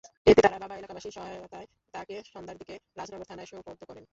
এতে তাঁর বাবা এলাকাবাসীর সহায়তায় তাঁকে সন্ধ্যার দিকে রাজনগর থানায় সোপর্দ করেন।